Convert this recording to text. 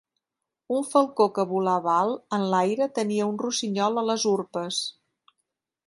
Un falcó que volava alt en l'aire tenia un rossinyol a les urpes.